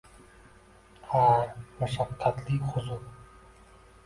Ha-a, mashaqqatli huzur